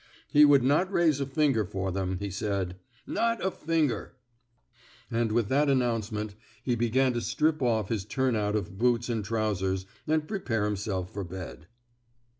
He would not raise a finger for them, he said. Not a finger I And with that announcement, he began to strip off his turn out of boots and trousers, and prepare himself for bed.